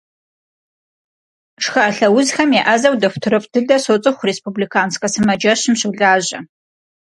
Шхалъэ узхэм еӏэзэу дохутырыфӏ дыдэ соцӏыху, республиканскэ сымаджэщым щолажьэ.